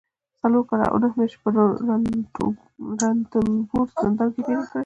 څلور کاله او نهه مياشتې په رنتنبور زندان کې تېرې کړي